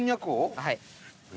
はい。